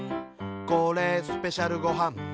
「これ、スペシャルごはん」